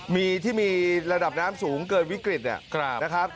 มีที่มีระดับน้ำสูงเกินวิกฤตนะครับ